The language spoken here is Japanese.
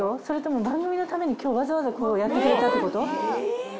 それとも番組のために今日わざわざやってくれたってこと？